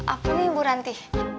apa nih bu ranti